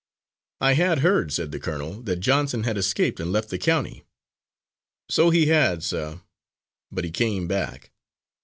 "I had heard," said the colonel, "that Johnson had escaped and left the county." "So he had, sir, but he came back.